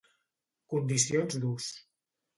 Condicions d'ús.